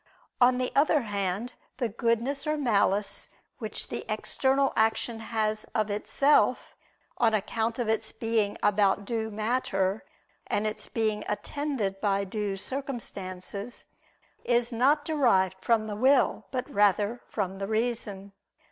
On the other hand, the goodness or malice which the external action has of itself, on account of its being about due matter and its being attended by due circumstances, is not derived from the will, but rather from the reason.